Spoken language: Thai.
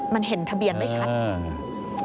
มันเห็นทะเบียนไม่ชัดอืม